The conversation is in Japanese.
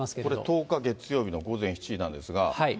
これ１０日月曜日の午前７時なんですが。